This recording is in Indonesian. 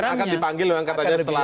akan dipanggil lho yang katanya setelah